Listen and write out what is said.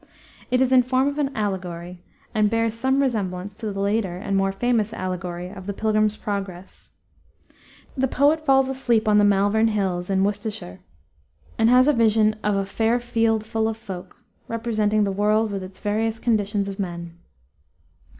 It is in form an allegory, and bears some resemblance to the later and more famous allegory of the Pilgrim's Progress. The poet falls asleep on the Malvern Hills, in Worcestershire, and has a vision of a "fair field full of folk," representing the world with its various conditions of men.